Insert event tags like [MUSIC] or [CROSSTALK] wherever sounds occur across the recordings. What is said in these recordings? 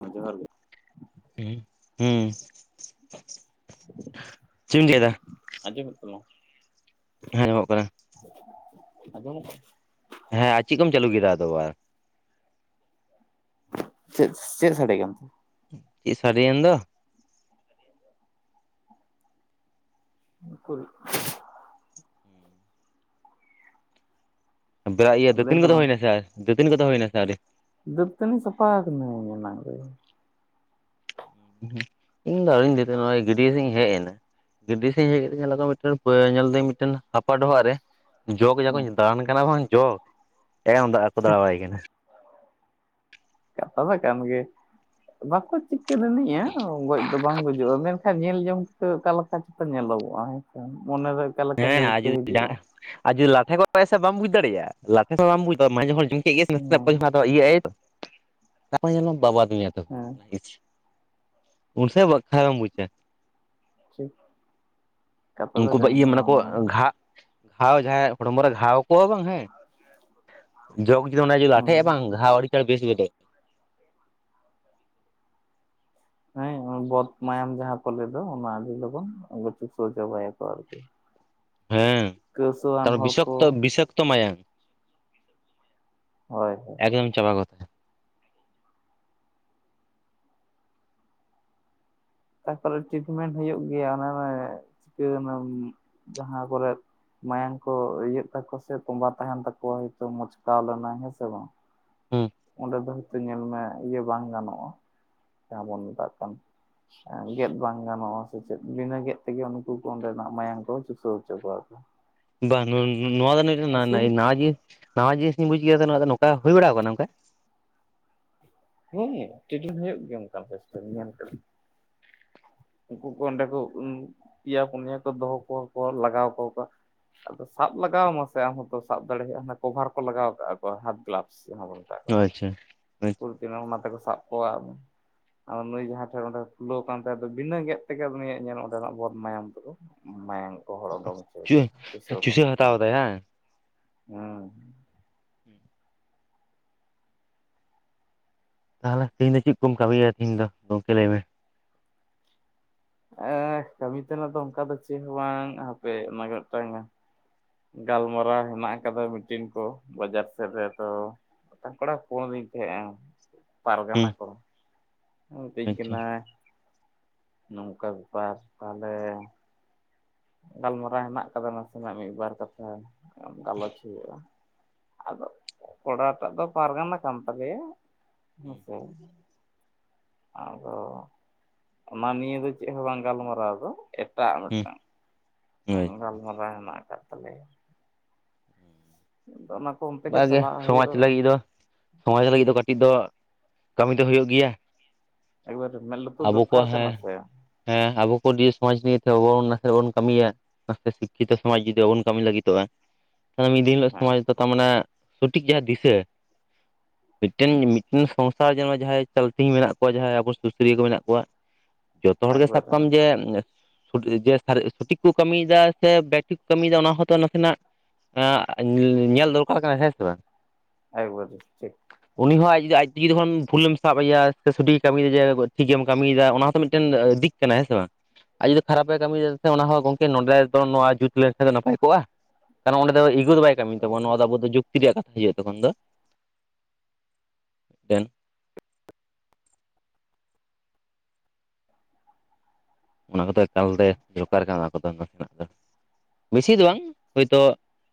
ᱦᱩ ᱡᱚᱦᱟᱨ ᱜᱮ ᱾ [INAUDIBLE] ᱦᱩᱸ ᱪᱮᱫ ᱮᱢ ᱪᱤᱠᱟᱹᱭ ᱫᱟ? ᱟᱱᱡᱚᱢᱚᱜ ᱠᱟᱱᱟ ᱴᱷᱤᱠ ᱜᱤᱭᱟᱹ ᱦᱮᱸ ᱮᱢᱚᱜ ᱠᱟᱱᱟ ᱾ ᱟᱡᱚᱢᱚᱜ ᱦᱮᱸ ᱟᱨ ᱪᱮᱫ ᱠᱚᱢ ᱪᱟᱹᱞᱩ ᱠᱮᱫᱟ ᱟᱫᱚ ᱟᱨ ᱪᱮᱫ ᱪᱮᱫ ᱥᱟᱰᱮ ᱠᱟᱱᱟ ᱥᱟᱹᱨᱤ ᱮᱱ ᱫᱚ ᱩᱠᱩᱨ [UNINTELLIGIBLE] ᱵᱮᱲᱟ ᱤᱭᱟᱹ ᱞᱟᱹᱭ ᱫᱟᱹᱛᱟᱹᱱᱤ ᱠᱚᱫᱚ ᱛᱟᱞᱟᱝ ᱦᱩᱭᱱᱟ ᱥᱮ ᱫᱟᱹᱛᱟᱹᱱᱤ ᱠᱚᱫᱚ ᱦᱩᱭᱱᱟ ᱥᱮ ᱟᱹᱣᱨᱤ ᱫᱟᱹᱛᱟᱹᱱᱤ ᱥᱟᱯᱟ ᱠᱟᱹᱱᱟᱹᱧ ᱮᱱᱟᱝ ᱨᱮ ᱤᱧ ᱫᱚ ᱟᱹᱣᱨᱤᱧ ᱫᱟᱹᱛᱟᱹᱱᱤᱜᱼᱟ ᱱᱚᱜᱼᱚᱭ ᱜᱟᱹᱰᱭᱟᱹ ᱥᱮᱫ ᱤᱧ ᱦᱮᱡ ᱮᱱᱟ ᱜᱟᱹᱰᱤ ᱥᱮᱫ ᱤᱧ ᱦᱮᱡ ᱠᱟᱛᱮ ᱧᱮᱞ ᱫᱟᱹᱧ ᱢᱤᱫᱴᱮᱱ ᱦᱟᱯᱟ ᱰᱚᱵᱷᱟᱜ ᱨᱮ [UNINTELLIGIBLE] ᱡᱚᱜᱽ ᱡᱟ ᱦᱮᱸ ᱠᱚᱧ ᱫᱟᱬᱟᱱ ᱠᱟᱱᱟ ᱵᱟᱝ ᱡᱚᱜ ᱠᱟᱛᱷᱟ ᱢᱟ ᱠᱟᱱ ᱜᱮ ᱵᱟᱠᱚ ᱪᱤᱠᱟᱹ ᱟᱱᱤᱡᱼᱟ ᱜᱚᱡ ᱫᱚ ᱵᱟᱝ ᱜᱚᱡᱚᱜᱼᱟ ᱢᱮᱱᱠᱷᱟᱱ ᱧᱮᱞ ᱡᱚᱝ ᱠᱟᱛᱮ ᱚᱠᱟ ᱞᱮᱠᱟ ᱪᱚᱠᱚ ᱧᱮᱞᱚᱜᱚᱜᱼᱟ ᱦᱮᱸᱥᱮ ᱢᱚᱱᱮ ᱨᱮ ᱦᱮᱸ ᱟᱨ ᱡᱩᱫᱤ ᱟᱨ ᱡᱩᱫᱤ ᱞᱟᱴᱷᱮ ᱠᱚᱜ ᱟᱭ ᱥᱮ ᱵᱟᱢ ᱵᱩᱡ ᱫᱟᱲᱮᱭᱟᱜᱼᱟ ᱞᱟᱴᱷᱮ ᱥᱚᱢᱚᱭ ᱦᱚᱸ ᱵᱟᱢ ᱵᱩᱡ ᱫᱟᱲᱮᱼᱟ ᱦᱮᱸ ᱵᱟᱵᱟᱫ ᱢᱮᱭᱟ ᱛᱚ [UNINTELLIGIBLE] ᱦᱮᱸ ᱩᱱᱥ ᱵᱟ ᱠᱷᱟᱨᱢ ᱵᱩᱡᱟ [UNINTELLIGIBLE] ᱠᱟᱛᱷᱟ ᱫᱚ ᱠᱟᱱ ᱜᱮᱭᱟ ᱵᱟᱝ ᱫᱚ ᱵᱟᱝ ᱦᱟᱶ ᱡᱟᱦᱟᱸᱭ ᱟᱜ ᱦᱚᱲᱢᱚ ᱨᱮ ᱜᱷᱟᱣ ᱟᱠᱚᱣᱟ ᱵᱟᱝ ᱦᱮᱸ ᱚᱱᱟ ᱡᱩᱫᱤ ᱦᱩᱸ ᱞᱟᱴᱷᱮᱜᱼᱟ ᱵᱟᱝ ᱜᱷᱟᱣ ᱟᱹᱰᱤ ᱪᱟᱸᱲ ᱵᱮᱥ ᱜᱚᱫᱚᱜ ᱦᱮᱸ ᱵᱚᱛ ᱢᱟᱭᱟᱢ ᱡᱟᱦᱟᱸ ᱠᱚ ᱞᱟᱹᱭᱟ ᱚᱱᱟ ᱟᱹᱰᱤ ᱞᱚᱜᱚᱱ ᱪᱩᱥᱟᱹᱣ ᱪᱟᱵᱟᱭ ᱟᱠᱚ ᱟᱨᱠᱤ ᱠᱟᱹᱥᱟᱹᱣᱟᱱ ᱦᱮᱸ ᱦᱚᱲ ᱠᱚ ᱵᱤᱥᱚᱠᱛᱚ ᱵᱤᱥᱟᱠᱛᱚ ᱢᱟᱭᱟᱝ ᱦᱳᱭ ᱦᱳᱭ ᱮᱠᱫᱚᱢ ᱪᱟᱵᱟ ᱜᱚᱫ ᱟᱠᱚ ᱛᱟᱨᱯᱚᱨᱮ ᱴᱨᱤᱴᱢᱮᱱᱴ ᱦᱩᱭᱩᱜ ᱜᱮᱭᱟ ᱚᱱᱟ ᱪᱤᱠᱟᱹ ᱮᱱᱟ ᱡᱟᱸᱦᱟ ᱠᱚᱨᱮᱜ ᱢᱟᱭᱟᱝ ᱠᱚ ᱤᱭᱟᱹᱜ ᱛᱟᱠᱚ ᱥᱮ ᱛᱚᱸᱵᱟ ᱛᱟᱦᱮᱱ ᱛᱟᱠᱚᱣ ᱟ ᱦᱚᱭᱛᱚ ᱢᱚᱪᱠᱟᱣ ᱞᱮᱱᱟᱭ ᱦᱮᱸ ᱥᱮ ᱵᱟᱝ ᱦᱮᱸ ᱚᱸᱰᱮ ᱫᱚ ᱦᱚᱳᱭᱛᱳ ᱧᱮᱞ ᱢᱮ ᱤᱭᱟᱹ ᱵᱟᱝ ᱜᱟᱱᱚᱜᱼᱟ ᱡᱟᱦᱟᱸ ᱵᱚᱱ ᱢᱮᱛᱟᱜ ᱠᱟᱱ ᱜᱮᱫ ᱵᱟᱝ ᱜᱟᱱᱚᱜᱼᱟ ᱥᱮ ᱪᱮᱫ ᱵᱤᱱᱟᱹ ᱜᱮᱫ ᱛᱮᱜᱮ ᱩᱱᱠᱩ ᱠᱚ ᱚᱸᱰᱮᱱᱟᱜ ᱢᱟᱭᱟᱝ ᱠᱚ ᱪᱩᱥᱟᱹᱣ ᱦᱚᱪᱚ ᱠᱚᱣᱟ ᱟᱨᱠᱤ [UNINTELLIGIBLE] ᱵᱟᱝ ᱱᱚᱣᱟ ᱫᱚ ᱱᱟᱣᱟ ᱡᱤᱱᱤᱥ ᱱᱟᱣᱟ ᱡᱤᱱᱤᱥᱤᱧ ᱵᱩᱡ ᱠᱮᱫᱟ ᱫᱚ ᱱᱚᱝᱠᱟ ᱦᱩᱭ ᱵᱟᱲᱟ ᱟᱠᱟᱱᱟ ᱱᱚᱝᱠᱟ ᱦᱮᱸ ᱴᱮᱰᱤᱝ ᱦᱩᱭᱩᱜ ᱜᱮᱭᱟ ᱚᱱᱠᱟ ᱧᱮᱞ ᱠᱮᱫ ᱩᱱᱠᱩ ᱠᱚ ᱚᱸᱰᱮ ᱠᱚ ᱯᱤᱭᱟ ᱯᱩᱱᱭᱟᱹ ᱠᱚ ᱫᱚᱦᱚ ᱠᱚ ᱠᱚᱣᱟ ᱞᱟᱜᱟᱣ ᱠᱚ ᱠᱚᱣᱟ ᱟᱫᱚ ᱥᱟᱵ ᱞᱟᱜᱟᱣ ᱟᱢᱟ ᱥᱮ ᱟᱢ ᱦᱚᱸᱛᱚ ᱥᱟᱵ ᱫᱟᱲᱮᱭᱟᱜ ᱟᱢ ᱠᱚᱵᱷᱟᱨ ᱠᱚ ᱞᱟᱜᱟᱣ ᱠᱟᱜᱼᱟ ᱛᱚ ᱦᱟᱛ ᱜᱞᱟᱯᱥ ᱟᱪᱪᱷᱟ ᱚᱱᱟ ᱛᱮᱠᱚ ᱥᱟᱵ ᱠᱚᱣᱟ ᱟᱫᱚ ᱟᱫᱚ ᱱᱩᱭ ᱡᱟᱦᱟᱸ ᱴᱷᱮᱱ ᱚᱸᱰᱮ ᱯᱷᱩᱞᱟᱹᱣ ᱠᱟᱱ ᱛᱟᱭᱟ ᱫᱚ ᱵᱤᱱᱟᱹ ᱜᱮᱫ ᱛᱮᱜᱮ ᱱᱩᱭᱼᱟᱜ ᱧᱮᱞ ᱢᱮ ᱚᱸᱰᱮᱱᱟᱜ ᱵᱚᱫ ᱢᱟᱭᱟᱢ ᱠᱚᱫᱚ ᱢᱟᱭᱟᱝ ᱜᱚᱦᱚᱲ ᱚᱰᱚᱝ ᱦᱚᱪᱚᱭ ᱟᱪᱪᱷᱟ ᱛᱟᱭᱟ ᱪᱩᱥᱟᱹᱣ ᱚᱰᱚᱝ ᱦᱟᱛᱟᱣ ᱫᱟᱭ ᱦᱟᱝ ᱦᱩᱸ ᱦᱮᱸ [UNINTELLIGIBLE] ᱛᱟᱦᱚᱞᱮ ᱛᱤᱦᱤᱧ ᱫᱚ ᱪᱮᱫ ᱠᱚᱢ ᱠᱟᱹᱢᱤᱭᱟ ᱛᱤᱦᱤᱧ ᱫᱚ ᱜᱚᱢᱠᱮ ᱞᱟᱹᱭ ᱢᱮ ᱠᱟᱹᱢᱤ ᱛᱮᱱᱟᱜ ᱫᱚ ᱚᱱᱠᱟ ᱫᱚ ᱪᱮᱫ ᱦᱚᱸ ᱵᱟᱝ ᱦᱟᱯᱮ ᱚᱱᱟ ᱜᱮ ᱢᱤᱫᱴᱟᱱ ᱜᱟᱞᱢᱟᱨᱟᱣ ᱦᱮᱱᱟᱜ ᱠᱟᱫᱟ ᱢᱤᱴᱤᱱ ᱠᱚ ᱵᱟᱡᱟᱨ ᱥᱮᱫ ᱨᱮ ᱛᱚ ᱠᱚᱲᱟ ᱠᱚ ᱦᱚᱦᱚ ᱟᱹᱫᱤᱧ ᱛᱟᱸᱦᱮᱫ ᱟ ᱦᱩᱸ ᱯᱟᱨᱜᱟᱱᱟ ᱠᱚ ᱢᱤᱛᱟᱹᱧ ᱟᱪᱪᱷᱟ ᱠᱟᱱᱟᱭ ᱱᱚᱝᱠᱟ ᱵᱮᱯᱟᱨ ᱛᱟᱦᱞᱮ ᱜᱟᱞᱢᱟᱨᱟᱣ ᱦᱮᱱᱟᱜ ᱠᱟᱫᱟ ᱱᱟᱥᱮᱱᱟᱜ ᱢᱤᱫᱵᱟᱨ ᱠᱟᱛᱷᱟ ᱜᱟᱞᱚᱪ ᱦᱩᱭᱩᱜᱼᱟ ᱟᱫᱚ ᱠᱚᱲᱟᱞᱴᱟᱜ ᱫᱚ ᱯᱟᱨᱜᱟᱱᱟ ᱠᱟᱱ ᱛᱟᱞᱮᱭᱟ ᱦᱮᱸᱥᱮ ᱟᱫᱚ ᱚᱱᱟ ᱱᱤᱭᱟᱹ ᱫᱚ ᱪᱮᱫ ᱦᱚᱸ ᱵᱟᱝ ᱜᱟᱞᱢᱟᱨᱟᱣ ᱫᱚ ᱮᱴᱟᱜ ᱦᱩᱸ ᱢᱤᱫᱴᱟᱝ ᱦᱳᱭ ᱜᱟᱞᱢᱟᱨᱟᱣ ᱦᱮᱱᱟᱜ ᱟᱠᱟᱫ ᱛᱟᱞᱮᱭᱟ ᱚᱱᱟ ᱠᱚ ᱚᱱᱛᱮ ᱜᱮ ᱪᱟᱞᱟᱜ ᱥᱚᱢᱟᱡᱽ ᱦᱩᱭᱩᱜᱼᱟ ᱞᱟᱹᱜᱤᱫ ᱫᱚ ᱥᱚᱢᱟᱡᱽ ᱞᱟᱹᱜᱤᱫ ᱫᱚ ᱠᱟᱹᱴᱤᱡ ᱫᱚ ᱠᱟᱹᱢᱤ ᱫᱚ ᱦᱩᱭᱩᱜ ᱜᱮᱭᱟ ᱮᱠᱵᱟᱨᱮ ᱢᱮᱫ ᱞᱩᱛᱩᱨ ᱟᱵᱚ ᱫᱚᱨᱠᱟᱨ ᱠᱚᱣᱟᱜ ᱦᱮᱸ ᱠᱟᱱᱟ ᱥᱮ ᱦᱮᱸ ᱟᱵᱚ ᱠᱚ ᱫᱤᱭᱮ ᱥᱚᱢᱟᱡ ᱱᱤᱭᱮ ᱛᱮ ᱟᱵᱚ ᱱᱟᱥᱮ ᱵᱚᱱ ᱠᱟᱹᱢᱤᱭᱟ ᱥᱤᱠᱠᱷᱤᱛᱚ ᱥᱚᱢᱟᱡᱽ ᱡᱩᱫᱤ ᱵᱟᱵᱚᱱ ᱠᱟᱹᱢᱤ ᱞᱟᱹᱜᱤᱫᱚᱜᱼᱟ ᱢᱤᱫ ᱫᱤᱱ ᱦᱤᱞᱳᱜ ᱦᱮᱸ ᱥᱚᱢᱟᱚ ᱛᱟᱨ ᱢᱮ ᱥᱚᱴᱷᱤᱠ ᱡᱟᱦᱟᱸ ᱫᱤᱥᱟᱹ ᱢᱤᱫᱴᱮᱱ ᱢᱤᱫᱴᱮᱱ ᱥᱚᱝᱥᱟᱨ ᱡᱮᱱ ᱡᱟᱦᱟᱸᱭ ᱪᱚᱞᱛᱤ ᱢᱮᱱᱟᱜ ᱠᱚᱣᱟ ᱡᱟᱦᱟᱸᱭ ᱟᱵᱚ ᱥᱩᱥᱟᱹᱨᱤᱭᱟᱹ ᱠᱚ ᱢᱮᱱᱟᱜ ᱠᱚᱣᱟ ᱡᱚᱛᱚ ᱦᱚᱲᱜᱮ ᱥᱟᱵ ᱮᱠᱵᱟᱨᱮ ᱠᱟᱜᱟᱢ ᱡᱮ ᱡᱮ ᱥᱚᱴᱷᱤᱠ ᱠᱚ ᱠᱟᱹᱢᱤᱭᱮᱫᱟ ᱥᱮ ᱵᱮᱭᱴᱤᱠ ᱠᱚ ᱠᱟᱹᱢᱤᱭᱮᱫᱟ ᱚᱱᱟ ᱦᱚᱸᱛᱚ ᱱᱟᱥᱮᱱᱟᱜ [UNINTELLIGIBLE] ᱧᱮᱞ ᱫᱚᱨᱠᱟᱨ ᱠᱟᱱᱟ ᱦᱮᱸ ᱥᱮ ᱵᱟᱝ [UNINTELLIGIBLE] ᱴᱷᱤᱠ ᱩᱱᱤ ᱦᱚᱸ ᱟᱡ ᱟᱡ ᱛᱮᱜᱮ ᱡᱚᱠᱷᱚᱱ ᱵᱷᱩᱞᱮᱢ ᱥᱟᱵ ᱟᱭᱟ ᱥᱮ ᱥᱚᱴᱷᱤᱠ ᱠᱟᱹᱢᱤᱭ ᱫᱟ ᱡᱮ ᱴᱷᱤᱠ ᱜᱮᱢ ᱠᱟᱹᱢᱤᱭᱮᱫᱟ ᱚᱱᱟ ᱛᱚ ᱢᱤᱫᱴᱮᱱ ᱫᱤᱠ ᱠᱟᱱᱟ ᱦᱮᱸ ᱥᱮ ᱵᱟᱝ ᱟᱨ ᱡᱩᱫᱤ ᱠᱷᱟᱨᱟᱯᱮ ᱠᱟᱹᱢᱤᱭ ᱫᱮ ᱚᱱᱟ ᱦᱚᱸ ᱜᱚᱝᱠᱮ ᱱᱚᱸᱰᱮ ᱫᱚ ᱱᱚᱣᱟ ᱡᱩᱛ ᱞᱮᱱᱠᱷᱟᱱ ᱫᱚ ᱱᱟᱯᱟᱭ ᱠᱚᱜᱼᱟ ᱠᱟᱨᱚᱱ ᱚᱸᱰᱮ ᱫᱚᱜᱩ ᱫᱚ ᱵᱟᱭ [UNINTELLIGIBLE] ᱛᱟᱵᱚᱱᱟ ᱱᱚᱣᱟ ᱫᱚ ᱟᱵᱚ ᱫᱚ ᱡᱩᱠᱛᱤ ᱨᱮᱭᱟᱜ ᱠᱟᱛᱷᱟ ᱦᱩᱭᱩᱜᱼᱟ ᱛᱚᱠᱷᱚᱱ ᱫᱚ ᱢᱤᱫᱴᱮᱱ ᱚᱱᱟ ᱠᱚᱫᱚ ᱮᱠᱟᱞᱛᱮ ᱫᱚᱨᱠᱟᱨ ᱠᱟᱱᱟ ᱚᱱᱟ ᱠᱚᱫᱚ ᱱᱟᱥᱮᱱᱟᱜ ᱫᱚ ᱵᱮᱥᱤ ᱫᱚ ᱵᱟᱝ ᱦᱚᱭᱛᱳ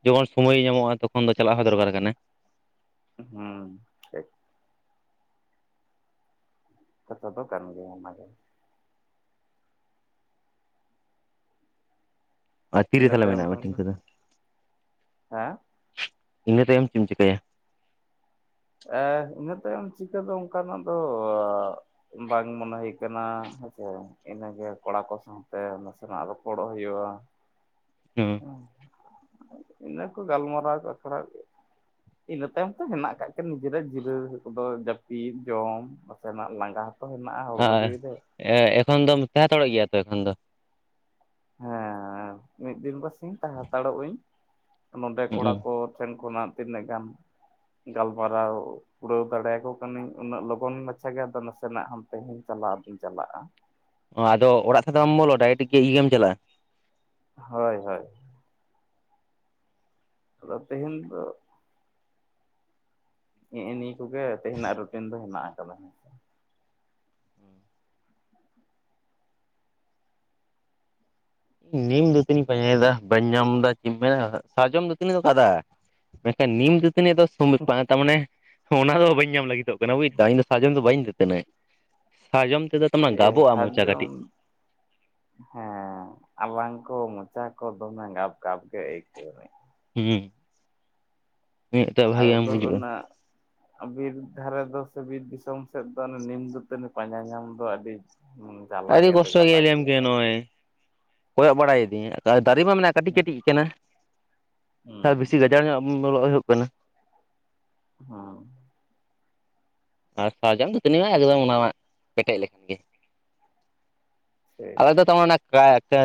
ᱡᱚᱠᱷᱚᱱ ᱥᱚᱢᱚᱭ ᱧᱟᱢᱚᱜᱼᱟ ᱛᱚᱠᱷᱚᱱ ᱫᱚ ᱪᱟᱞᱟᱜ ᱦᱚᱸ ᱫᱚᱨᱠᱟᱨ ᱠᱟᱱᱟ ᱦᱩᱸ ᱴᱷᱤᱠ ᱠᱟᱛᱷᱟ ᱫᱚ ᱠᱟᱱ ᱜᱮᱭᱟ ᱚᱱᱟ ᱜᱮ ᱟᱨ ᱛᱤᱨᱮ ᱤᱱᱟᱹ ᱛᱟᱦᱚᱞᱮ ᱛᱟᱭᱚᱢ ᱢᱮᱱᱟᱜᱼᱟ ᱠᱷᱟᱱ ᱢᱤᱴᱤᱝ ᱫᱚ ᱠᱚᱫᱚ ᱦᱟᱸ ᱤᱱᱟᱹ ᱛᱟᱭᱚᱢ ᱪᱮᱫ ᱮᱢ ᱪᱤᱠᱟᱹᱭᱟ ᱮᱸ ᱤᱱᱟᱹ ᱛᱟᱭᱚᱢ ᱪᱤᱠᱟᱹ ᱫᱚ ᱚᱱᱠᱟᱱᱟᱜ ᱫᱚ ᱵᱟᱝ ᱢᱚᱱᱮ ᱦᱩᱭ ᱠᱟᱱᱟ ᱦᱮᱸᱥᱮ ᱤᱱᱟᱹ ᱜᱮ ᱠᱚᱲᱟ ᱠᱚ ᱥᱟᱶ ᱦᱟᱱᱛᱮ ᱱᱟᱥᱮᱱᱟᱜ ᱨᱚᱯᱚᱲᱚᱜ ᱦᱩᱭᱩᱜᱼᱟ ᱦᱮᱸ ᱤᱱᱟᱹ ᱠᱚ ᱜᱟᱞᱢᱟᱨᱟᱣ ᱟᱠᱷᱲᱟ ᱜᱮ ᱤᱱᱟᱹ ᱛᱟᱭᱚᱢ ᱛᱚ ᱦᱮᱱᱟᱜ ᱠᱟᱫ ᱠᱚᱭᱟ ᱱᱤᱡᱮᱨᱟᱜ ᱡᱤᱨᱟᱹ ᱠᱚᱫᱚ ᱡᱟᱹᱯᱤᱫ ᱡᱚᱢ ᱱᱟᱥᱮᱱᱟᱜ ᱞᱟᱸᱜᱟ ᱦᱮᱱᱟᱜ ᱦᱚᱲᱢᱚ ᱡᱤᱣᱤᱮ ᱮ ᱮᱠᱷᱚᱱ ᱫᱚ ᱛᱟᱦᱮᱸ ᱦᱟᱛᱟᱲᱚᱜ ᱜᱮᱭᱟ ᱛᱚ ᱮᱠᱷᱚᱱ ᱫᱚ ᱦᱮᱸ ᱢᱤᱫ ᱫᱤᱱ ᱯᱟᱨᱥᱤᱧ ᱦᱟᱛᱟᱲᱚᱜ ᱟᱹᱧ ᱱᱚᱰᱮ ᱠᱚᱲᱟ ᱠᱚ ᱦᱩᱸ ᱴᱷᱮᱱ ᱠᱷᱚᱱᱟᱜ ᱛᱤᱱᱟᱹᱜ ᱜᱟᱱ ᱜᱟᱞᱢᱟᱨᱟᱣ ᱠᱩᱲᱟᱹᱣ ᱫᱟᱲᱮᱭᱟᱠᱚ ᱠᱟᱹᱱᱟᱹᱧ ᱩᱱᱟᱹᱜ ᱞᱚᱜᱚᱱ ᱢᱟᱪᱷᱟ ᱜᱮ ᱟᱫᱚ ᱱᱟᱥᱮᱱᱟᱜ ᱦᱚᱸ ᱛᱮᱦᱮᱧ ᱪᱟᱞᱟᱣ ᱫᱚᱧ ᱪᱟᱞᱟᱜᱼᱟ ᱚ ᱟᱫᱚ ᱚᱲᱟᱜ ᱥᱟᱶᱛᱮ ᱵᱟᱢ ᱵᱚᱞᱚ ᱰᱟᱭᱨᱮᱠᱴ ᱜᱮ ᱤᱭᱟᱹ ᱜᱮᱢ ᱪᱟᱞᱟᱜᱼᱟ ᱦᱚᱭ ᱦᱚᱭ ᱟᱫᱚ ᱛᱮ ᱦᱤᱧ ᱫᱚ ᱱᱮᱜᱼᱮ ᱱᱤᱭᱟᱹ ᱠᱚᱜᱮ ᱛᱮᱦᱮᱧᱟᱜ ᱨᱩᱴᱤᱱ ᱫᱚ ᱦᱮᱱᱟᱜ ᱟᱠᱟᱫᱟ ᱱᱤᱢ ᱫᱟᱹᱛᱟᱹᱱᱤᱧ ᱯᱟᱸᱡᱟᱭᱮᱫᱟ ᱵᱟᱹᱧ ᱧᱟᱢ ᱮᱫᱟ ᱪᱮᱫ ᱢᱮᱱ ᱥᱟᱨᱡᱚᱢ ᱫᱟᱹᱛᱟᱹᱱᱤᱧ ᱫᱚ ᱠᱟᱫᱟ ᱢᱮᱱᱠᱷᱟᱱ ᱱᱤᱢ ᱫᱟᱹᱛᱟᱹᱱᱤ ᱫᱚ ᱥᱚ ᱵᱟᱝ ᱛᱟᱨᱢᱟᱱᱮ ᱚᱱᱟ ᱫᱚ ᱵᱟᱹᱧ ᱧᱟᱢ ᱞᱟᱹᱜᱤᱫᱚᱜ ᱵᱩᱡ ᱮᱫᱟ ᱤᱧ ᱫᱚ ᱥᱟᱨᱡᱚᱢ ᱫᱚ ᱵᱟᱹᱧ ᱫᱟᱹᱛᱟᱹᱱᱤ ᱥᱟᱨᱡᱚᱢ ᱛᱮᱫᱚ ᱛᱟᱢᱟ ᱮ ᱜᱟᱵᱚᱜᱼᱟ ᱢᱚᱪᱟ ᱥᱟᱨᱡᱚᱢ ᱠᱟᱹᱴᱤᱡ ᱦᱮᱸ ᱟᱨ ᱵᱟᱝᱠᱚ ᱢᱚᱪᱟ ᱠᱚ ᱫᱚᱢᱮ ᱜᱟᱯ-ᱜᱟᱯ ᱜᱮ ᱟᱹᱭᱠᱟᱹᱣᱟᱹ ᱦᱩᱸ ᱢᱤᱫᱴᱟᱜ ᱵᱷᱟᱜᱮ ᱵᱟᱢ ᱟᱫᱚ ᱦᱩᱡᱩᱜᱼᱟ ᱚᱱᱟ ᱵᱤᱨ ᱫᱷᱟᱨᱮ ᱫᱚ ᱥᱮ ᱵᱤᱨ ᱫᱤᱥᱚᱢ ᱥᱮᱫ ᱫᱚ ᱱᱤᱢ ᱫᱟᱹᱛᱟᱹᱱᱤ ᱯᱟᱸᱡᱟ ᱧᱟᱢ ᱫᱚ ᱟᱹᱰᱤ ᱦᱩᱸ ᱟᱹᱰᱤ ᱠᱚᱥᱴᱚ ᱜᱮᱭᱟ ᱞᱟᱹᱭᱟᱢ ᱠᱟᱱᱟ ᱱᱚᱼᱚᱭ ᱠᱚᱭᱚᱜ ᱵᱟᱲᱟᱭᱤᱫᱤᱧᱟᱹ ᱫᱟᱨᱮ ᱢᱟ ᱢᱮᱱᱟᱜᱼᱟ ᱠᱟᱹᱴᱤᱡ ᱠᱟᱹᱴᱤᱡ ᱠᱟᱱᱟ ᱦᱩᱸ ᱵᱮᱥᱤ ᱵᱟᱡᱟᱲ [INAUDIBLE] ᱧᱚᱜ ᱵᱚᱞᱚᱜ ᱦᱩᱭᱩᱜ ᱠᱟᱱᱟ। ᱦᱟᱸ ᱟᱨ ᱥᱟᱨᱡᱚᱢ ᱫᱚ ᱛᱤᱱᱟᱹᱜ ᱮᱠᱫᱚᱢ ᱚᱱᱟ ᱢᱟ ᱯᱮᱴᱮᱡ ᱞᱮᱠᱷᱟᱱ ᱜᱮ ᱥᱮ ᱟᱞᱮ ᱫᱚ ᱛᱟᱨ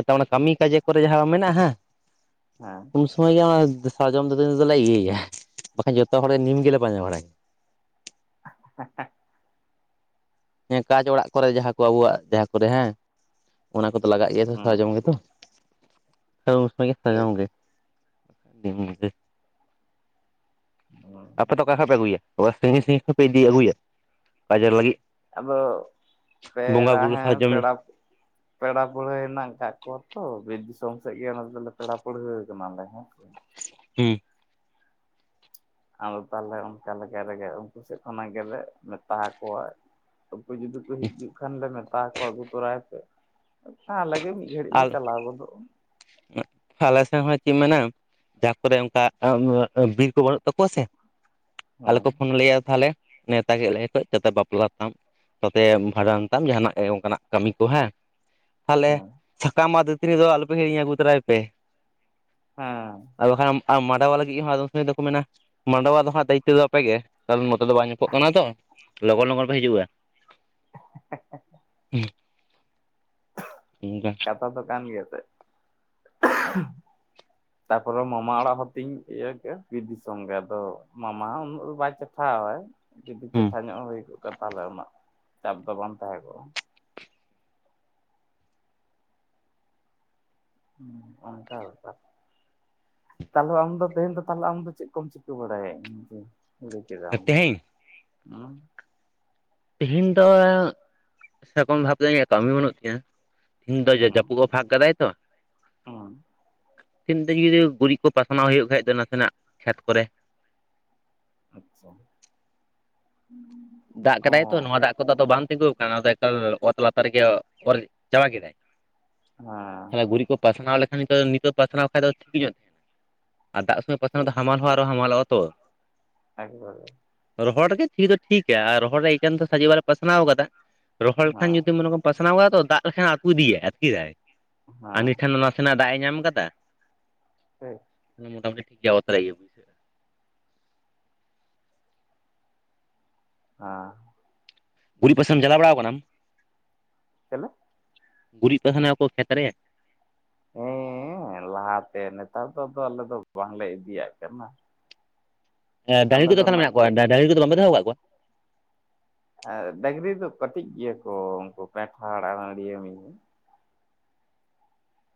ᱚᱱᱟ ᱠᱟᱹᱢᱤ ᱠᱟᱡᱮ ᱠᱚᱨᱮ ᱡᱟᱦᱟᱸ ᱢᱮᱱᱟᱜᱼᱟ ᱦᱮᱸ ᱩᱱ ᱥᱚᱢᱚᱭ ᱜᱮ ᱚᱱᱟ ᱥᱟᱨᱡᱚᱢ ᱫᱚ ᱫᱟᱹᱛᱟᱹᱱᱤ ᱫᱚᱞᱮ ᱤᱭᱟᱹᱭᱟ ᱵᱟᱠᱷᱟᱱ ᱡᱚᱛᱚ ᱦᱚᱲ ᱜᱮ ᱱᱤᱢ ᱜᱮᱞᱮ ᱯᱟᱸᱡᱟ ᱵᱟᱲᱟᱭ ᱜᱮᱟ ᱸ [UNINTELLIGIBLE] ᱦᱮᱸ ᱠᱟᱪ ᱚᱲᱟᱜ ᱠᱚᱨᱮ ᱡᱟᱦᱟᱸ ᱠᱚ ᱟᱵᱚᱣᱟᱜ ᱡᱟᱦᱟᱸ ᱠᱚᱨᱮ ᱦᱮᱸ ᱚᱱᱟ ᱠᱚᱫᱚ ᱞᱟᱜᱟᱣᱜ ᱜᱮᱭᱟ ᱛᱚ ᱦᱩᱸ ᱥᱟᱨᱟᱡᱚᱢ ᱜᱮᱛᱚ। [INAUDIBLE] [INAUDIBLE] [INAUDIBLE] ᱴᱷᱤᱠ ᱦᱩᱸ ᱟᱯᱮ ᱫᱚ, ᱚᱠᱟ ᱠᱷᱚ [UNINTELLIGIBLE] ᱯᱮ ᱟᱹᱜᱩᱭᱟ [INAUDIBLE] ᱥᱟᱺᱜᱤᱧ ᱥᱟᱺᱜᱤᱧ ᱯᱮ ᱤᱫᱤ ᱟᱹᱜᱩᱭᱟ ᱵᱟᱡᱟᱨ ᱞᱟᱹᱜᱤᱫ? ᱟᱫᱚ ᱵᱚᱸᱜᱟ ᱯᱮᱲᱟ ᱵᱩᱨᱩ ᱦᱮᱸ ᱥᱟᱨᱡᱚᱢ ᱯᱮᱲᱟᱼᱼ ᱯᱮᱲᱟ ᱯᱟᱹᱲᱦᱟᱹ ᱦᱮᱱᱟᱜ ᱟᱠᱟᱫ ᱠᱚᱣᱟ ᱛᱚ ᱵᱤᱨ ᱫᱤᱥᱚᱢ ᱥᱮᱫ ᱜᱮ ᱚᱱᱟ ᱫᱚᱞᱮ ᱯᱮᱲᱟ ᱯᱟᱹᱲᱦᱟᱹ ᱠᱟᱱᱟᱞᱮ ᱦᱮᱸ ᱥᱮ, ᱦᱮᱸ ᱟᱫᱚ ᱛᱟᱦᱚᱞᱮ ᱚᱱᱠᱟ ᱞᱮᱠᱟ ᱨᱮᱜᱮ ᱩᱱᱠᱩ ᱥᱮᱫ ᱠᱷᱚᱱᱟᱜ ᱜᱮᱞᱮ ᱢᱮᱛᱟᱠᱚᱣᱟ [UNINTELLIGIBLE] ᱩᱱᱠᱩ ᱡᱩᱫᱤ ᱠᱚ ᱦᱤᱡᱩᱜ ᱠᱷᱟᱱ ᱞᱮ ᱢᱮᱛᱟ ᱦᱟᱠᱚᱣᱟ ᱟᱹᱜᱩ ᱛᱚᱨᱟᱭ ᱯᱮ, ᱛᱟᱦᱟᱞᱮ ᱟᱞᱮ ᱜᱮ ᱢᱤᱫ ᱜᱷᱟᱹᱲᱤᱡ ᱞᱮ ᱟᱨ ᱪᱟᱞᱟᱣ ᱜᱚᱫᱚᱜᱼᱟ᱾ ᱟᱞᱮ [INAUDIBLE] ᱥᱮᱱ ᱦᱚᱸ ᱪᱮᱫ [UNINTELLIGIBLE] ᱢᱮᱱᱟ ᱡᱟᱦᱟᱸ ᱠᱚᱨᱮ ᱚᱱᱠᱟ ᱵᱤᱨ ᱠᱚ ᱵᱟᱹᱱᱩᱜ ᱛᱟᱠᱚᱣᱟ ᱥᱮ ᱟᱞᱮ ᱦᱮᱸ ᱠᱚ ᱯᱷᱚᱱᱞᱮᱭᱟ ᱛᱟᱦᱚᱞᱮᱼᱼ ᱱᱮᱶᱛᱟ ᱠᱮᱫ ᱞᱮᱭᱟ ᱠᱷᱚ [INAUDIBLE] ᱫᱟ ᱫᱟ ᱵᱟᱯᱞᱟ ᱛᱟᱢ ᱥᱟᱶᱛᱮ ᱵᱷᱟᱸᱰᱟᱱ ᱛᱟᱢ ᱡᱟᱦᱟᱱᱟᱜ ᱜᱮ ᱚᱱᱠᱟᱱᱟᱜ ᱠᱟᱹᱢᱤ ᱠᱚ ᱦᱮᱸ᱾ ᱛᱟᱦᱚᱞᱮ ᱦᱮᱸ [UNINTELLIGIBLE] ᱥᱟᱠᱟᱢ ᱟᱨ ᱫᱟᱹᱛᱟᱹᱱᱤ ᱫᱚ ᱟᱞᱚᱯᱮ ᱦᱤᱲᱤᱧᱟ ᱟᱹᱜᱩ ᱛᱚᱨᱟᱭ ᱯᱮ᱾ ᱦᱮᱸ ᱟᱫᱚ ᱦᱟᱸᱜ [UNINTELLIGIBLE] ᱢᱟ ᱢᱟᱰᱟᱣᱟ ᱞᱟᱹᱜᱤᱫ ᱦᱚᱸ ᱟᱫᱚᱢ ᱥᱚᱢᱚᱭ ᱫᱚᱠᱚ ᱢᱮᱱᱟ ᱢᱟᱰᱣᱟ ᱫᱚ ᱦᱟᱸᱜ ᱫᱟᱭᱤᱛᱚ ᱫᱚ ᱟᱯᱮᱜᱮ ᱠᱟᱨᱚᱱ [UNINTELLIGIBLE] ᱱᱤᱛᱚᱜ ᱫᱚ ᱧᱩᱛᱩᱜ ᱠᱟᱱᱟ ᱛᱚ ᱞᱚᱜᱚᱱ ᱞᱚᱜᱚᱱ ᱯᱮ ᱦᱤᱡᱩᱜᱼᱟ᱾ [UNINTELLIGIBLE] [INAUDIBLE] ᱮᱸᱜᱟ ᱟ [INAUDIBLE] ᱫᱚ ᱠᱟᱱ ᱜᱮᱭᱟ ᱯᱮ [UNINTELLIGIBLE] ᱛᱟᱯᱚᱨᱮ ᱢᱟᱢᱟ ᱚᱲᱟᱜ ᱦᱚᱸ ᱛᱤᱧ ᱤᱭᱟᱹ ᱜᱮ ᱵᱤᱨ ᱫᱤᱥᱚᱢ ᱜᱮ ᱟᱫᱚ ᱢᱟᱢᱟ ᱦᱚᱸ ᱩᱱᱟᱹᱜ ᱵᱟᱭ ᱪᱟ ᱪᱴᱷᱟᱣᱟᱭ [UNINTELLIGIBLE] ᱡᱩᱫᱤ ᱦᱮᱸ ᱫᱮᱠᱷᱟ ᱧᱚᱜ ᱦᱩᱭ ᱠᱚᱜ ᱠᱷᱟᱱ ᱛᱟᱦᱚᱞᱮ ᱩᱱᱟᱹᱜ ᱪᱟᱯ ᱫᱚ ᱵᱟᱝ ᱛᱟᱦᱮᱸ ᱠᱚᱜᱼᱟ᱾ ᱦᱩᱸ ᱚᱱᱠᱟ ᱵᱮᱯᱟᱨ᱾ ᱛᱟᱦᱞᱮ ᱟᱢ ᱫᱚ ᱛᱮᱦᱮᱧ ᱫᱚ ᱛᱟᱦᱚᱞᱮ ᱟᱢ ᱫᱚ ᱪᱮᱫ ᱠᱚᱢ ᱪᱤᱠᱟᱹ ᱵᱟᱲᱟᱭᱟ? [INAUDIBLE] ᱠᱩᱲ [INAUDIBLE] ᱠᱮᱫᱮᱫᱟ [INAUDIBLE] ᱫᱚ ᱛᱮᱦᱮᱧ ᱦᱩᱸ ᱛᱮᱦᱤᱧ ᱫᱚ ᱥᱮᱠᱚᱢ ᱵᱷᱟᱵᱛᱮ ᱤᱧᱟᱹᱜ ᱠᱟᱹᱢᱤ ᱵᱟᱹᱱᱩᱜ ᱛᱤᱧᱟᱹ ᱛᱤᱦᱤᱧ ᱫᱚ ᱡᱟ ᱡᱟᱹᱯᱩᱫ ᱚ [INAUDIBLE] ᱵᱷᱟᱜ ᱠᱟᱫᱟᱭ ᱛᱚ᱾ ᱦᱮᱸᱻ ᱛᱤᱱ [UNINTELLIGIBLE] ᱛᱮ ᱜᱮ ᱡᱩᱫᱤ ᱜᱩᱨᱤᱡ ᱠᱚ ᱯᱟᱥᱱᱟᱣ ᱦᱩᱭᱩᱜ ᱠᱷᱟᱡ ᱫᱚ ᱱᱟᱥᱮᱱᱟᱜ ᱠᱷᱮᱛ ᱠᱚᱨᱮ᱿ ᱟᱪᱷᱟ ᱫᱟᱜ ᱠᱟᱫᱟᱭ ᱛᱚ ᱱᱚᱣᱟ ᱫᱟᱜ ᱠᱚᱫᱚ ᱟᱫᱚ ᱵᱟᱝ ᱛᱤᱸᱜᱩ ᱟᱠᱟᱱᱟ ᱫᱚ [UNINTELLIGIBLE] ᱮᱠᱟᱞ ᱚᱛ ᱞᱟᱛᱟᱨ ᱨᱮᱜᱮ ᱚᱨ ᱪᱟᱵᱟ ᱠᱮᱫᱟᱭ᱾ ᱦᱮᱸ ᱛᱟᱦᱮ [INAUDIBLE] ᱜᱩᱨᱤᱡ ᱠᱚ ᱯᱟᱥᱱᱟᱣ ᱞᱮᱠᱷᱟᱱ ᱱᱤᱛᱳ ᱱᱤᱛᱳᱜ ᱯᱟᱥᱱᱟᱣ ᱠᱷᱟᱡ ᱫᱚ ᱴᱷᱤᱠ ᱧᱚᱜ ᱛᱟᱦᱮᱱᱟ ᱟᱨ ᱫᱟᱜ ᱥᱚᱢᱚᱭ ᱼᱼ ᱫᱚ ᱴᱷᱤᱠ ᱦᱟᱢᱟᱞ ᱦᱚᱸ ᱟᱨᱚ ᱦᱟᱢᱟᱞᱼᱟ ᱛᱚ᱾ ᱮᱠ ᱵᱟᱨ, ᱨᱚᱦᱚᱲᱜᱮ ᱛᱷᱤᱠ ᱫᱚ ᱴᱷᱤᱠᱟ ᱟᱨ ᱨᱚᱦᱚᱲ ᱨᱮ ᱮᱠᱮᱱ ᱫᱚ ᱥᱡᱤ [INAUDIBLE] ᱵᱟᱞᱮ ᱯᱟᱥᱱᱟᱣ ᱠᱟᱫᱟ ᱨᱚᱦᱚᱲ ᱞᱮᱠᱷᱟᱱ ᱦᱮᱸ ᱡᱩᱫᱤ ᱢᱚᱱ ᱠᱚ [INAUDIBLE] ᱯᱟᱥᱱᱟᱣ ᱠᱟᱫᱟ ᱛᱚ ᱫᱟᱜ ᱞᱮᱠᱷᱟᱱ ᱟ. ᱛᱩ ᱤᱫᱤᱭᱟᱭ ᱟᱹᱛᱠᱤᱨᱟᱭ ᱟᱨ ᱦᱮᱸ ᱱᱤᱠᱷᱟᱱ [UNINTELLIGIBLE] ᱱᱟᱥᱮ ᱱᱟᱜ ᱫᱟᱜ ᱮ ᱧᱟᱢ ᱟᱠᱟᱫᱟ ᱯᱟᱠ ᱦᱮᱸ ᱢᱚᱴᱟᱢᱩᱴᱤ ᱴᱷᱤᱠ ᱜᱮᱭᱟ ᱛᱟᱨᱟᱭ [INAUDIBLE] ᱜᱮ ᱵᱩᱡᱮ [INAUDIBLE] ᱦᱟᱸ ᱯᱩᱨᱤ ᱯᱟᱥᱮᱢ ᱪᱟᱞᱟᱣ ᱵᱟᱲᱟ ᱣᱟᱠᱟᱱᱟᱢ ᱟᱢ? ᱦᱮᱞᱳ᱿ ᱜᱩᱨᱤᱡ ᱠᱚ ᱛᱟᱦᱮᱱᱟᱚ [UNINTELLIGIBLE] ᱠᱷᱮᱛ ᱨᱮ, ᱦᱮᱸ ᱞᱟᱦᱟᱛᱮ ᱱᱮᱛᱟᱨ ᱫᱚ ᱟᱫᱚ ᱟᱞᱮ ᱫᱚ ᱵᱟᱝᱞᱮ ᱤᱫᱤᱭᱟᱜ ᱠᱟᱱᱟ᱾ ᱮ ᱰᱟᱝᱨᱤ ᱟᱞᱮ ᱠᱚᱫᱚ ᱫᱚ ᱛᱱᱟᱜ [UNINTELLIGIBLE] ᱱᱟᱜ ᱢᱮᱱᱟᱜ ᱠᱚᱣᱟ ᱰᱟᱝ-ᱰᱟᱝᱮ ᱠᱚᱫᱚ ᱵᱟᱞᱮ ᱫᱚᱦᱚ ᱟᱠᱟᱫ ᱠᱚᱣᱟ? ᱦᱮᱸ ᱰᱟᱹᱝᱨᱤ ᱫᱚ ᱠᱟᱹᱴᱤᱡ ᱜᱮᱭᱟ ᱠᱚ ᱩᱱᱠᱩ ᱯᱮᱱᱴᱷᱟᱲ ᱟᱨ ᱟᱹᱱᱰᱤᱭᱟᱹ ᱢᱤᱭᱟᱹ [UNINTELLIGIBLE]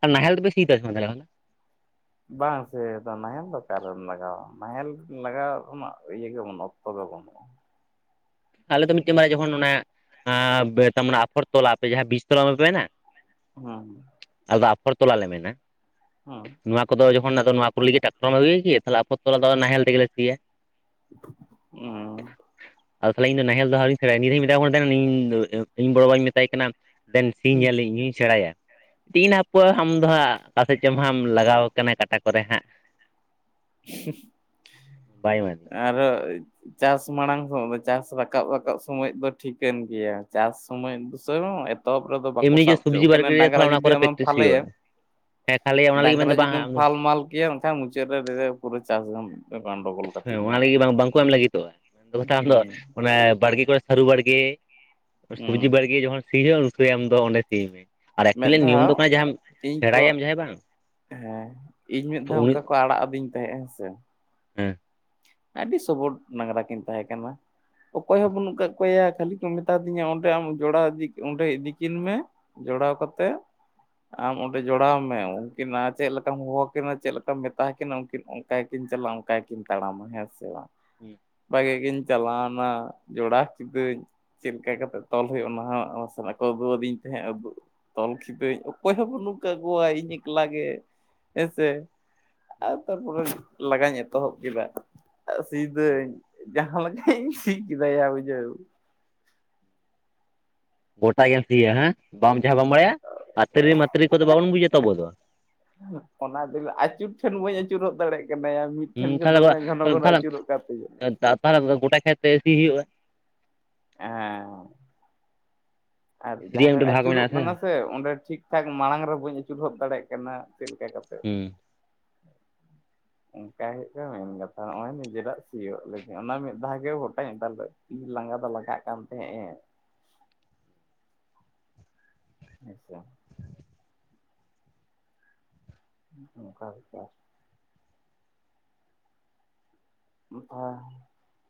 ᱟᱨ ᱱᱟᱦᱮᱞ ᱫᱚ ᱯᱮ ᱥᱤᱭᱫᱟ ᱥᱮ ᱵᱟᱝ ᱛᱟᱦᱟᱞᱮ ᱠᱷᱚᱱ ᱫᱚ? ᱵᱟᱝ ᱥᱮ ᱟᱫᱚ ᱱᱟᱦᱮᱞ ᱫᱚ ᱚᱠᱟᱨᱮᱢ ᱞᱟᱜᱟᱣᱟ ᱱᱟᱦᱮᱞ ᱞᱟᱜᱟᱣ ᱤᱭᱟᱹ ᱜᱮ ᱵᱟᱹᱱᱩᱜᱼᱟ ᱚᱠᱛᱚ ᱜᱮ ᱵᱟᱹᱱᱩᱜᱼᱟ᱾ ᱟᱞᱮ ᱫᱚ ᱢᱤᱫ ᱴᱮᱱ ᱢᱟᱨᱮ ᱡᱚᱠᱷᱚᱱ ᱚᱱᱮ᱾ ᱮᱸᱻ [UNINTELLIGIBLE] ᱟᱯᱷᱚᱨ ᱛᱚᱞᱟ ᱟᱯᱮ ᱡᱟᱦᱟᱸ ᱵᱤᱥ ᱛᱚᱞᱟ ᱵᱟᱯᱮᱢᱮᱱᱟ ᱦᱮᱸ ᱟᱞᱮᱫᱚ ᱟᱯᱷᱚᱨ ᱛᱚᱞᱟ ᱞᱮ ᱢᱮᱱᱟ᱾ ᱦᱮᱸ ᱱᱚᱶᱟ ᱠᱚᱫᱚ ᱡᱚᱠᱷᱚᱱ ᱟᱫᱚ ᱱᱚᱶᱟ ᱠᱚ ᱞᱟᱹᱜᱤᱫ ᱴᱟᱠᱴᱚᱨᱚᱮᱢ ᱟᱹᱜᱩᱭ ᱠᱤ, ᱛᱟᱦᱮ ᱟᱯᱚᱛ ᱛᱚᱞᱟ ᱫᱚ ᱱᱟᱦᱮᱞ ᱛᱮᱜᱮᱞᱮ ᱥᱤᱭᱟ᱾ [INAUDIBLE] ᱦᱮᱸ ᱟᱫᱚ ᱛᱟᱦᱚᱞᱮ ᱤᱧ ᱱᱟᱦᱮᱞ ᱫᱚᱦᱟᱨᱤᱧ ᱥᱮᱬᱟᱭᱟ ᱱᱤᱭᱟ. ᱫᱷᱟᱣ ᱢᱮᱛᱟ ᱠᱚ ᱠᱟᱱ ᱛᱟᱦᱮᱱᱟ ᱤᱧ ᱵᱚᱲᱚ ᱵᱟᱵᱟᱧ ᱢᱮᱛᱟᱭ ᱠᱟᱱᱟ ᱫᱮᱱ ᱥᱤᱧ ᱦᱩᱸ ᱧᱮᱞᱟᱹᱧ ᱤᱧᱭᱤᱧ ᱥᱮᱬᱟᱭᱟ᱾ [UNINTELLIGIBLE] ᱦᱟᱯᱚᱣᱟ ᱟᱢ ᱫᱚ ᱦᱟᱸᱜ ᱚᱠᱟᱥᱮᱫ ᱪᱚᱝ ᱦᱟᱸᱢ ᱞᱟᱜᱟᱣ ᱠᱟᱱᱟ ᱠᱟᱴᱟ ᱠᱚᱨᱮ ᱦᱟᱸᱜ᱾ [UNINTELLIGIBLE] ᱵᱟᱭ ᱮᱢᱟ ᱫᱤᱧᱟ ᱟᱨᱚ ᱪᱟᱥ ᱢᱟᱲᱟᱝ ᱦᱚᱸ ᱪᱟᱥ ᱨᱟᱠᱟᱵ ᱨᱟᱠᱟᱵ ᱥᱚᱢᱚᱭ ᱫᱚ ᱴᱷᱤᱠᱟᱹᱱ ᱜᱮᱭᱟ ᱪᱟᱥ ᱥᱚᱢᱚᱭ ᱵᱥᱚᱭ ᱦᱚᱸ ᱮᱛᱚᱵ ᱨᱮᱫᱚ ᱵᱟᱠᱚ ᱮᱢᱱᱤ ᱥᱟᱵ ᱡᱮ ᱥᱚᱵᱽᱡᱤ ᱵᱟᱲᱜᱮ ᱦᱚᱪᱚᱣᱟᱜᱠᱮᱱ ᱨᱮ ᱰᱟᱝᱨᱟ ᱛᱟᱦᱚᱞᱮ ᱚᱱᱟ ᱡᱩᱫᱤ ᱠᱚᱨᱮ ᱟᱢᱮᱢ ᱯᱮᱠᱴᱤᱥ ᱯᱷᱷᱟᱞᱮᱭᱟ, ᱦᱩᱭᱩᱜᱼᱟ ᱦᱮᱸ ᱠᱷᱟᱹᱞᱤ ᱚᱱᱟ ᱞᱟᱹᱜᱤᱫ ᱰᱟᱝᱨᱟ ᱢᱮᱱᱫᱚ ᱵᱟᱝ ᱡᱩᱫᱤᱢ ᱯᱷᱟᱞ ᱦᱮᱸ ᱢᱟᱞ ᱠᱮᱭᱟ ᱮᱠᱷᱟᱱ ᱢᱩᱪᱟᱹᱫ ᱨᱮ ᱯᱩᱨᱟᱹ ᱪᱟᱥᱜᱮᱢ ᱦᱮᱸ ᱚᱱᱟ ᱞᱟᱹᱜᱤᱫ ᱵᱟᱝ ᱵᱟᱝᱠᱚ ᱮᱢ ᱞᱟᱹᱜᱤᱫᱚᱜᱼᱟ᱾ ᱛᱚᱠᱟᱛᱷᱟ ᱟᱢ ᱫᱚ ᱦᱩᱸ ᱵᱟᱲᱜᱮ ᱠᱚᱨᱮ ᱥᱟᱹᱨᱩ ᱵᱟᱲᱜᱮ, ᱥᱚᱵᱽᱡᱤ ᱦᱩᱸ ᱵᱟᱲᱜᱮ ᱡᱚᱠᱷᱚᱱ ᱥᱤ ᱦᱩᱭᱩᱜᱼᱟ ᱩᱴᱮ ᱟᱢ ᱫᱚ ᱚᱸᱰᱮ ᱥᱤ ᱢᱮ᱾ ᱟᱨ ᱢᱤᱫ ᱮᱠᱪᱩᱭᱩᱞᱟᱜ ᱱᱤᱭᱚᱢ ᱫᱚ ᱫᱷᱟᱣ ᱠᱟᱱᱟ ᱡᱟᱦᱟᱸᱢ ᱤᱧ ᱥᱮᱲᱟᱭᱟᱢ ᱠᱚ ᱡᱟᱦᱟᱸᱭ ᱵᱟᱝ ᱦᱮᱸ ᱤᱧ ᱢᱤᱫ ᱫᱷᱟᱣ ᱩᱱᱤ ᱚᱱᱠᱟ ᱠᱚ ᱟᱲᱟᱜ ᱟᱹᱫᱤᱧ ᱛᱟᱦᱮᱸᱜ ᱦᱮᱸᱥᱮ, ᱦᱮᱸ ᱟᱹᱰᱤ ᱥᱚᱵᱚᱴ ᱰᱟᱝᱽᱨᱟ ᱠᱤᱱ ᱛᱟᱦᱮᱸᱠᱟᱱᱟ, ᱚᱠᱚᱭ ᱦᱚᱸ ᱵᱟᱹᱱᱩᱜ ᱠᱟᱜ ᱚᱠᱚᱭᱟ ᱠᱷᱟᱹᱞᱤ ᱠᱚ ᱢᱮᱛᱟ ᱫᱤᱧᱟ ᱚᱸᱰᱮ ᱟᱢ ᱡᱚᱲᱟᱣ ᱚᱸᱰᱮ ᱤᱫᱤᱠᱤᱱ ᱢᱮ ᱡᱚᱲᱟᱣ ᱠᱟᱛᱮᱫ᱾ ᱟᱢ ᱚᱸᱰᱮ ᱡᱚᱲᱟᱣ ᱢᱮ ᱩᱱᱠᱤᱱᱟᱜ ᱪᱮᱫ ᱞᱮᱠᱟᱢ ᱦᱚᱦᱚᱣᱟ ᱠᱤᱱᱟ ᱪᱮᱫ ᱞᱮᱠᱟᱢ ᱢᱮᱛᱟ ᱠᱤᱱᱟ ᱩᱱᱠᱤᱱ ᱟᱭ ᱠᱤᱱ ᱪᱞᱟᱢ ᱠᱟᱭ ᱠᱤᱱ ᱛᱟᱲᱟᱢ ᱦᱸᱥᱮ ᱵᱟᱝ᱾ ᱦᱮᱸ᱾ ᱵᱷᱟᱜᱤ ᱜᱤᱧ ᱪᱟᱞᱟᱣᱱᱟ ᱡᱚᱲᱟ ᱠᱤᱫᱟᱹᱧ, ᱪᱮᱫ ᱞᱮᱠᱟ ᱠᱟᱛᱮᱜ ᱛᱚᱞ ᱦᱩᱭᱩᱜᱼᱟ ᱚᱱᱟ ᱦᱚᱸ ᱥᱟᱞᱟᱜ ᱠᱚ ᱟᱹᱜᱩᱣᱟᱫᱤᱧ ᱛᱟᱦᱮᱸᱫ ᱟᱫᱩ, ᱛᱚᱞ ᱠᱤᱫᱟᱹᱧ, ᱚᱠᱚᱭ ᱦᱚᱸ ᱵᱟᱹᱱᱩᱜ ᱠᱟᱠᱚᱣᱟ ᱤᱧ ᱮᱠᱞᱟ ᱜᱮ ᱦᱮᱸᱥᱮ ᱟᱨ ᱛᱟᱨᱯᱚᱨᱮ ᱞᱟᱜᱟᱣᱧ ᱮᱛᱚᱦᱚᱵ ᱠᱮᱫᱟ, ᱥᱤᱫᱟᱹᱧ ᱡᱟᱦᱟᱸ ᱞᱮᱠᱟᱧ ᱥᱤ ᱠᱮᱫᱟᱭᱟ ᱵᱩᱡᱷᱟᱹᱣ᱾ ᱜᱚᱴᱟ ᱜᱮᱢ ᱥᱤᱭᱟ ᱦᱮᱸ ᱵᱟᱢ ᱡᱟᱦᱟᱸ ᱵᱟᱢ ᱵᱟᱲᱟᱭᱟ ᱟᱨ ᱛᱨᱤ ᱢᱟᱛᱨᱤ ᱠᱚᱫᱚ ᱵᱟᱵᱚᱱ ᱵᱩᱡᱟ ᱛ ᱟᱵᱚ ᱫᱚ᱾ ᱚᱱᱟ ᱫᱚᱞᱟ ᱟᱹᱪᱩᱨ ᱴᱷᱮᱱ ᱵᱟᱹᱧ ᱟᱹᱪᱩᱨᱚᱜ ᱫᱟᱲᱮᱭᱟᱜ ᱠᱟᱱᱟᱭᱟ ᱢᱤᱫ ᱴᱷᱮᱱ ᱦᱩᱸ ᱜᱮ ᱛᱟᱦᱚᱞᱮ ᱫᱚᱢᱮ ᱜᱷᱚᱱᱚ ᱜᱷᱚᱱᱚ ᱟᱹᱪᱩᱨᱚᱜ ᱠᱟᱱᱛᱤᱧᱟᱹ ᱾ ᱛᱟᱦ ᱜᱚᱴᱟ ᱠᱷᱟᱛᱮ ᱮ ᱥᱤ ᱦᱩᱭᱩᱜᱼᱟ? ᱦᱮᱸ ᱾ ᱟᱨ ᱡᱟᱦᱟᱸ ᱥᱤᱨᱮᱭᱟᱜ ᱴᱷᱟᱜ ᱢᱤᱫᱴᱮᱱ ᱵᱷᱟᱜᱽ ᱟᱹᱪᱩᱨᱚᱜ ᱢᱮᱱᱟᱜᱼᱟ ᱠᱟᱱᱟ ᱥᱮ ᱚᱸᱰᱮ ᱴᱷᱤᱠ ᱴᱷᱟᱠ ᱢᱟᱲᱟᱝ ᱨᱮ ᱵᱟᱹᱧ ᱟᱹᱪᱩᱨ ᱦᱚᱫ ᱫᱟᱲᱮᱭᱟᱜ ᱠᱟᱱᱟ, ᱪᱮᱫ ᱞᱮᱠᱟ ᱠᱟᱛᱷᱟ ᱦᱩᱸ [INAUDIBLE] ᱚᱱᱠᱟ ᱦᱩᱭᱩᱜᱼᱟ ᱢᱮᱱ ᱠᱟᱛᱷᱟ ᱱᱚᱜᱚᱭ ᱱᱤᱡᱮᱨᱟᱜ ᱥᱤᱭᱳᱜ ᱞᱤᱫᱤᱧ ᱚᱱᱟ ᱢᱤᱫ ᱫᱷᱟᱣ ᱜᱮ [UNINTELLIGIBLE] ᱞᱟᱸᱜᱟ ᱫᱚ ᱞᱟᱜᱟᱜ ᱠᱟᱱ ᱛᱟᱦᱮᱸᱜ ᱟᱪ ᱪᱷᱟ ᱚᱱᱠᱟ ᱜᱮ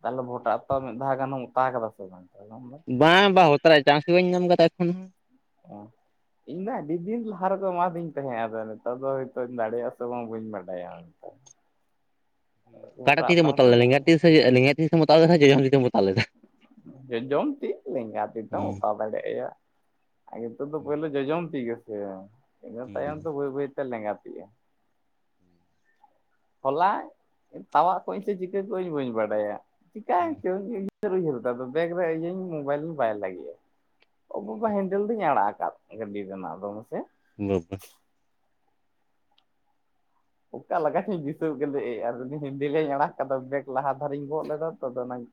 ᱛᱟᱦᱞᱮ ᱵᱷᱚᱴᱟ ᱛᱚ ᱢᱤᱫ ᱫᱷᱟᱣ ᱜᱟᱱᱮᱢ ᱚᱛᱟ ᱠᱟᱫᱟ ᱥᱮ ᱵᱟᱝ? ᱛᱟᱦᱚᱞᱮ ᱟᱢ ᱫᱚ ᱵᱟᱝ ᱵᱟᱝ ᱚᱛᱟᱨᱟᱜ ᱪᱟᱱᱥ ᱵᱟᱹᱧ ᱧᱟᱢ ᱟᱠᱟᱫᱟ ᱮᱠᱷᱚᱱ ᱦᱚᱸ᱾ ᱚᱸ ᱤᱧ ᱢᱟ ᱟᱹᱰᱤ ᱫᱤᱱ ᱞᱟᱦᱟ ᱨᱮᱫᱚ ᱮᱢᱟᱫᱤᱧ ᱛᱟᱦᱮᱸᱜ ᱟᱫᱚ ᱱᱤᱛᱚᱜ ᱫᱚ ᱦᱭᱛᱚᱧ ᱫᱟᱲᱮᱭᱟᱜᱼᱟ ᱥᱮ ᱵᱟᱝ ᱵᱟᱹᱧ ᱵᱟᱰᱟᱭᱟ᱾ [INAUDIBLE] ᱠᱟᱴᱟ ᱜᱚᱴᱟ ᱛᱤ ᱛᱮ ᱟᱛᱟ ᱦᱚᱸᱛᱚ ᱚᱛᱟᱞᱮᱱᱟ ᱞᱮᱸᱜᱟ ᱛᱤ ᱥᱮ ᱞᱮᱸᱜᱟ ᱛᱤ ᱥᱮ ᱡᱚᱡᱚᱢ ᱛᱤ ᱢᱚᱛᱟᱣ ᱞᱮᱫᱟ ᱡᱚᱡᱚᱢ ᱛᱤ ᱞᱮᱸᱜᱟ ᱛᱤ ᱛᱮᱢ ᱦᱩᱸ ᱚᱛᱟ ᱫᱟᱲᱮᱭᱟᱜ-ᱟ ᱭᱟ ᱾ ᱱᱤᱛᱚᱜ ᱫᱚ ᱯᱩᱭᱞᱩ ᱡᱚᱡᱚᱢ ᱛᱤ ᱜᱮᱥᱮ ᱤᱱᱟᱹ ᱦᱩᱸ ᱛᱟᱭᱚᱢ ᱫᱚ ᱵᱟᱹᱭ ᱵᱟᱹᱭᱛᱮ ᱞᱮᱸᱜᱟᱛᱤᱜᱼᱟ᱾ ᱦᱚᱞᱟ, ᱛᱟᱣᱟᱜ ᱠᱚᱜ ᱟᱹᱧ ᱥᱮ ᱪᱤᱠᱟᱹ ᱠᱚᱜ ᱟᱹᱧ ᱵᱟᱹᱧ ᱵᱟᱰᱟᱭᱟ ᱪᱤᱠᱟᱭ ᱦᱩᱸ ᱪᱚ ᱩᱭᱦᱟᱹᱨ ᱦᱚ ᱩᱭᱦᱟᱹᱨ ᱮᱫᱟ ᱵᱮᱜ ᱨᱮ ᱤᱭᱟᱹᱧ ᱢᱚᱵᱟᱭᱤᱞ ᱵᱟᱭ ᱞᱟᱜᱼᱟ, ᱚᱵᱚ ᱵᱟ ᱦᱮᱱ ᱡᱟᱹᱞ ᱫᱤᱧ ᱟᱲᱟᱜ ᱟᱠᱟᱫ ᱜᱟᱹᱰᱤ ᱨᱮᱱᱟᱜ ᱫᱚ ᱢᱮᱥᱮ ᱵᱟᱵᱟ ᱚᱠᱟ ᱞᱮᱠᱟ ᱪᱚᱧ ᱫᱤᱥᱟᱹᱣ ᱠᱮᱫᱮ ᱟᱨ ᱦᱮᱱᱰᱤᱧ ᱟᱲᱟᱜ ᱠᱮᱫᱟ ᱵᱮᱜ ᱞᱟᱦᱟ ᱫᱷᱟᱨᱮᱧ ᱜᱚᱫ ᱞᱮᱫᱟ ᱛᱚ ᱚᱱᱟᱧ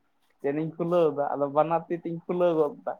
ᱪᱮᱱ ᱤᱧ ᱠᱷᱩᱞᱟᱹᱣᱫᱟ ᱟᱫᱚ ᱵᱟᱱᱟᱨ ᱛᱤ ᱛᱤᱧ ᱠᱷᱩᱞᱟᱹᱣ ᱜᱚᱫ ᱮᱫᱟ